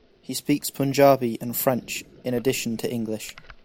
He speaks Punjabi and French, in addition to English.